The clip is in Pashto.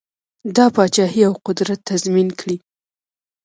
دا پاچهي او قدرت تضمین کړي.